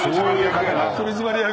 取締役。